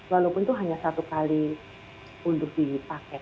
walaupun itu hanya satu kali untuk dipakai